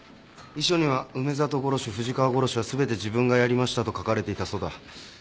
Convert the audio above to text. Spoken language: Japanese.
遺書には梅里殺し藤川殺しはすべて自分がやりましたと書かれていたそうだ。